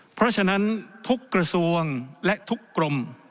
เพราะฉะนั้นทุกกระทรวงและทุกกรม